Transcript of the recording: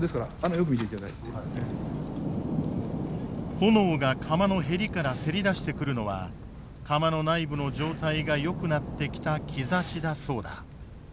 炎が釜のヘリからせり出してくるのは釜の内部の状態がよくなってきた兆しだそうだ。